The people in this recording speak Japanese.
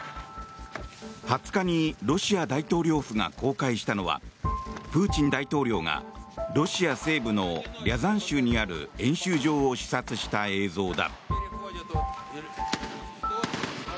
２０日にロシア大統領府が公開したのはプーチン大統領がロシア西部のリャザン州にある演習場を視察した映像だ。